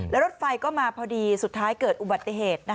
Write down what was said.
แล้วรถไฟก็มาพอดีสุดท้ายเกิดอุบัติเหตุ